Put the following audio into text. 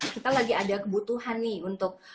kita lagi ada kebutuhan nih untuk